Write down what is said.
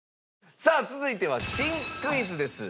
さあ続いては新クイズです。